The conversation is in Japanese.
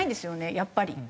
やっぱり。